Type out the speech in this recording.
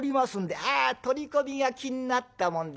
「ああ取り込みが気になったもんで。